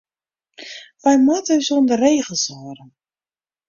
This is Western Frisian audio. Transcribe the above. Wy moatte ús oan de regels hâlde.